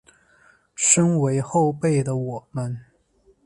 身为后辈的我们